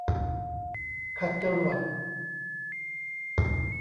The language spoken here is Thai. ขัดจรวด